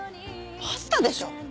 パスタでしょ。